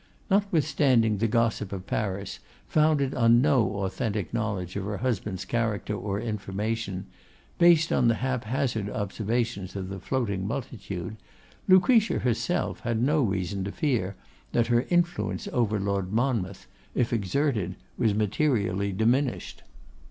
Notwithstanding the gossip of Paris, founded on no authentic knowledge of her husband's character or information, based on the haphazard observations of the floating multitude, Lucretia herself had no reason to fear that her influence over Lord Monmouth, if exerted, was materially diminished.